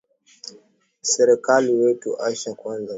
Serkali wetu asha kwanza miza mubaya ya bwiji bwa ma mpango